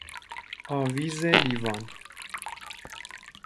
آویز لیوان